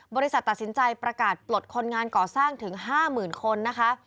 บริษัทตัดสินใจประกาศปลดคนงานก่อสร้างถึง๕๐๐๐คนนะคะ